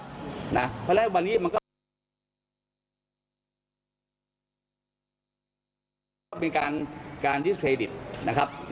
เพราะฉะนั้นวันนี้มันก็เป็นการการดิสเครดิตนะครับ